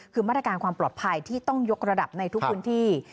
คือมาตรการความปลอดภัยที่ต้องยกระดับในทุกพื้นที่